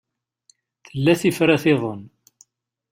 Tella tifrat-iḍen.